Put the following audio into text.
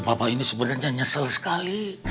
bapak ini sebenarnya nyesel sekali